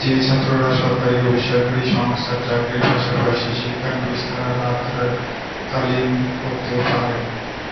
যে ছাত্ররা সরকারি ও বেসরকারি সংস্থার চাকরির পাশাপাশি শিক্ষানবিশ তারা রাত্রি কালীন করতে পারেন।